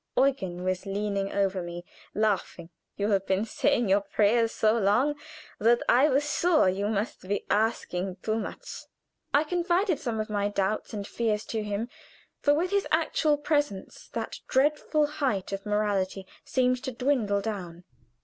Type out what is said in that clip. Eugen was leaning over me, laughing. "You have been saying your prayers so long that I was sure you must be asking too much." I confided some of my doubts and fears to him, for with his actual presence that dreadful height of morality seemed to dwindle down.